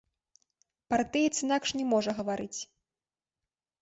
Партыец інакш не можа гаварыць.